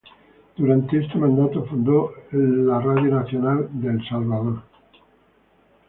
Durante este mandato fundó la Radio Nacional de El Salvador.